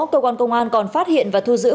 cơ quan công an còn phát hiện và thu giữ